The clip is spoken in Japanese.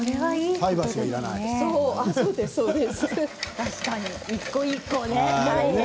確かに一個一個ね。